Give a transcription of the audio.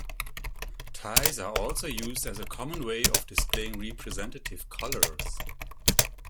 Ties are also used as a common way of displaying representative "colours".